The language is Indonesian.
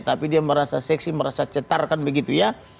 tapi dia merasa seksi merasa cetar kan begitu ya